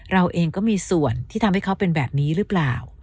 เราเองก็มีส่วนที่ทำให้เขาเป็นแบบนี้หรือเปล่า